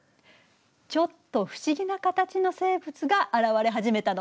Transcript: ちょっと不思議な形の生物が現れ始めたの。